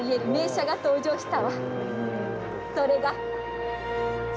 それが。